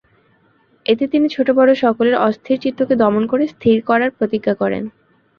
এতে তিনি ছোট-বড় সকলের অস্থির চিত্তকে দমন করে স্থির করার প্রতিজ্ঞা করেন।